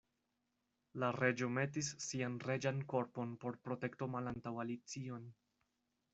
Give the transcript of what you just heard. La Reĝo metis sian reĝan korpon por protekto malantaŭ Alicion.